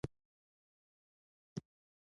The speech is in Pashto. د طیارې داخل کې کابین وي.